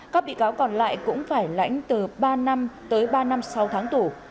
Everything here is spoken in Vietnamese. các bị cáo còn lại cũng phải lãnh từ ba năm tới ba năm sau tháng tù